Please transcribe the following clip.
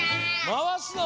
まわすの？